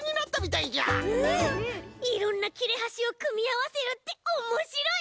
いろんなきれはしをくみあわせるっておもしろい！